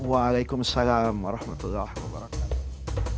waalaikumsalam warahmatullahi wabarakatuh